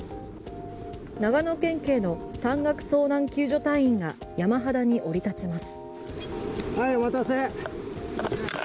長野県警の山岳遭難救助隊員が山肌に降り立ちます。